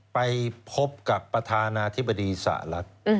ไปพบกับประธานาธิบดีสหรัฐ